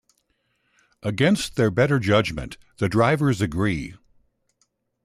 Against their better judgement, the drivers agree.